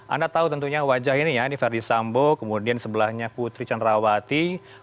anda tahu tentunya wajah ini ya ini ferdisambo kemudian sebelahnya putri cenrawati